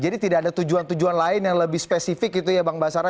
jadi tidak ada tujuan tujuan lain yang lebih spesifik gitu ya bang basara